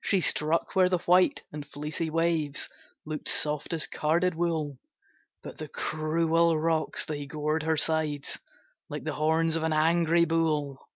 She struck where the white and fleecy waves Look'd soft as carded wool, But the cruel rocks, they gored her sides Like the horns of an angry bull.